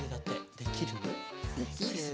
できる？